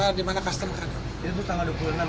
jadi tanggal dua puluh enam itu prototype atau